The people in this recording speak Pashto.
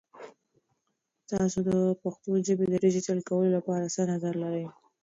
تاسو د پښتو ژبې د ډیجیټل کولو لپاره څه نظر لرئ؟